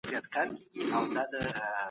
انشاالله پوره به شي.